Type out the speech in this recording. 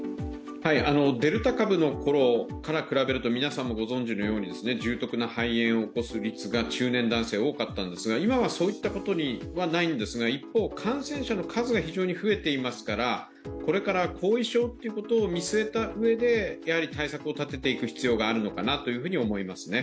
デルタ株のころから比べると皆さんもご存じのように重篤な肺炎を起こす率が、中年男性、多かったんですが、今はそういったことはないんですが一方、感染者の数が非常に増えていますから、これから後遺症ということを見据えたうえでやはり対策を立てていく必要があるのかなと思いますね。